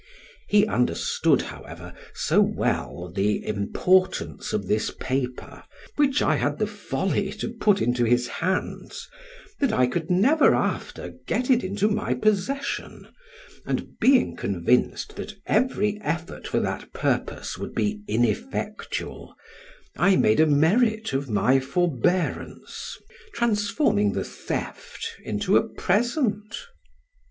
He understood, however, so well the importance of this paper, which I had the folly to put into his hands, that I could never after get it into my possession, and being convinced that every effort for that purpose would be ineffectual, I made a merit of my forbearance, transforming the theft into a present.